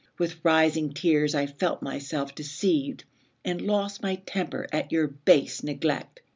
With rising tears I felt myself deceived And lost my temper at your base neglect.